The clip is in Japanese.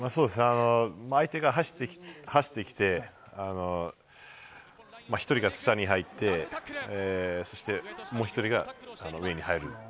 相手が走ってきて、１人が下に入って、そしてもう１人が上に入る。